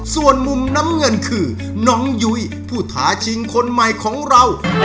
ส่วนมุมน้ำเงินคือน้องยุ้ยผู้ท้าชิงคนใหม่ของเรา